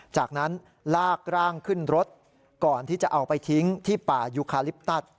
จากนั้นลากร่างขึ้นรถก่อนที่จะเอาไปทิ้งที่ป่ายูคาลิปตัส